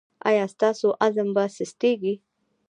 ایا ستاسو عزم به سستیږي؟